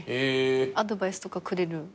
アドバイスとかくれる？